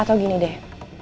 atau gini deh